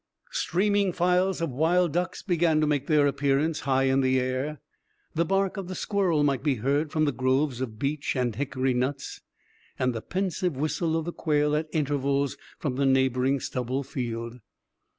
Streaming files of wild ducks began to make their appearance high in the air; the bark of the squirrel might be heard from the groves of beech and hickory nuts, and the pensive whistle of the quail at intervals from the neighboring stubble field.